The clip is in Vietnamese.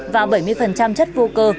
và bảy mươi chất vô cơ